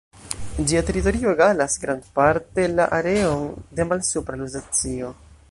Ĝia teritorio egalas grandparte la areon de Malsupra Luzacio.